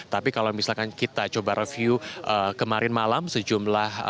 tapi kalau misalkan kita coba review kemarin malam sejumlah